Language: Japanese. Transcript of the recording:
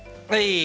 はい！